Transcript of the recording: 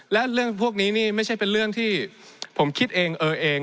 และเรื่องพวกนี้นี่ไม่ใช่เป็นเรื่องที่ผมคิดเองเออเอง